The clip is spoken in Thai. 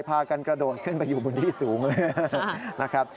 พากันกระโดดขึ้นไปอยู่บนที่สูงเลยนะครับ